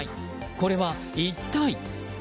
これは一体？